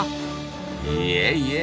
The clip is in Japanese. いえいえ。